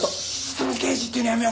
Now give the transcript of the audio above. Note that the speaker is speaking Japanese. その「刑事」って言うのやめようか今。